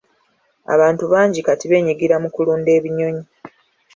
Abantu bangi kati beenyigira mu kulunda ebinyonyi.